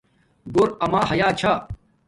گھوو اما حیا چھا